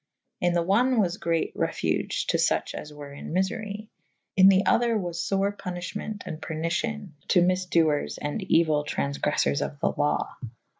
In the one was great refuge to fuche as were in myfery : In the other was fore punyffhement and pernicion to myfdoers and euyl tran[f] greffours of the law.